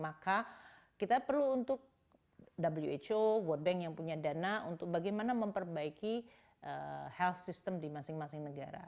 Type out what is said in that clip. maka kita perlu untuk who world bank yang punya dana untuk bagaimana memperbaiki health system di masing masing negara